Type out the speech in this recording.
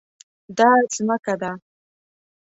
دا ځمکه ده